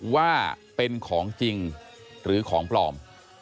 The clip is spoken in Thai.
ว่าเป็นของจริงหรือของปลอม